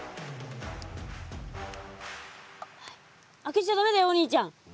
開けちゃだめだよお兄ちゃん。